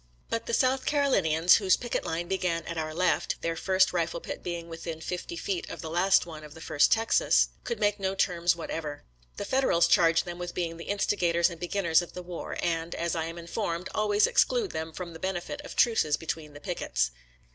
But the South Carolinians, whose picket line began at our left, their first rifle pit being within fifty feet of the last one of the First Texas, could make no terms whatever. The Federals charge them with being the instigators and beginners of the war, and, as I am informed, always ex clude them from the benefit of truces between the pickets.